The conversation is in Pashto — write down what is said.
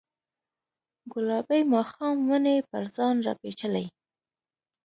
ګلابي ماښام ونې پر ځان راپیچلې